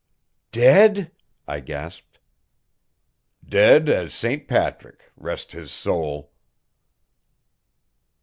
"Dead!" I gasped. "Dead as Saint Patrick rest his sowl!"